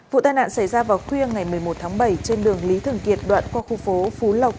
vụ tai nạn xảy ra vào khuya ngày một mươi một tháng bảy trên đường lý thường kiệt đoạn qua khu phố phú lộc